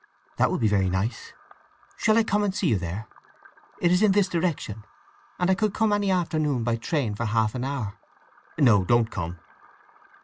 "That will be very nice. Shall I come and see you there? It is in this direction, and I could come any afternoon by train for half an hour?" "No. Don't come!"